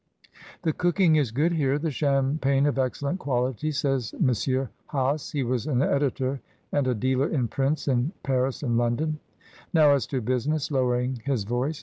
"The cooking is good here, the champagne of excellent quality," says M. Hase. He was an editor and a dealer in prints in Paris and London. "Now, as to business," lowering his voice.